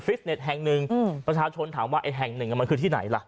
เน็ตแห่งหนึ่งประชาชนถามว่าไอ้แห่งหนึ่งมันคือที่ไหนล่ะ